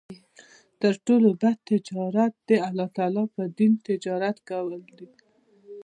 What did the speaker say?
تر ټولو بَد تجارت د الله تعالی په دين تجارت کول دی